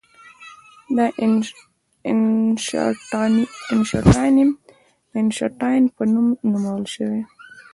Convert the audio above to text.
د اینشټاینیم د اینشټاین په نوم نومول شوی.